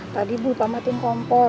tadi bu pamatin kompor